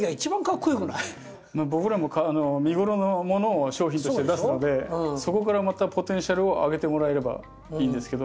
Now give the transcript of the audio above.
僕らも見頃のものを商品として出すのでそこからまたポテンシャルを上げてもらえればいいんですけど。